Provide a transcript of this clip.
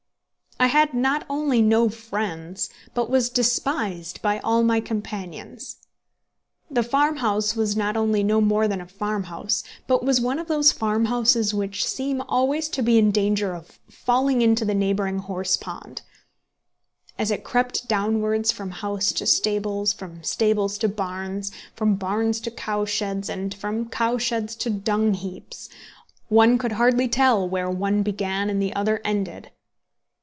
I had not only no friends, but was despised by all my companions. The farmhouse was not only no more than a farmhouse, but was one of those farmhouses which seem always to be in danger of falling into the neighbouring horse pond. As it crept downwards from house to stables, from stables to barns, from barns to cowsheds, and from cowsheds to dung heaps, one could hardly tell where one began and the other ended!